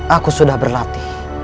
aku sudah berlatih